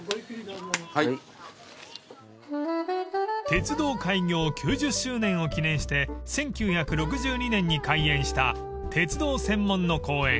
［鉄道開業９０周年を記念して１９６２年に開園した鉄道専門の公園